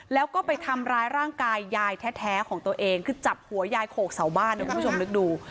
แล้วก็ไปทำร้ายร่างกายยายแท้ของตัวเองคือจับหัวยายโขกเสาบ้านนะคุณผู้ชมนึกดู